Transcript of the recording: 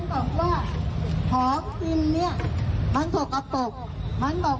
ถามมันบอกว่าของจิลมันสกปก